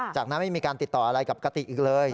จากนั้นไม่มีการติดต่ออะไรกับกติกอีกเลย